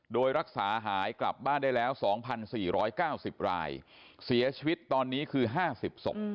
โดยรักษาหายกลับบ้านได้แล้ว๒๔๙๐รายเสียชีวิตตอนนี้คือ๕๐ศพ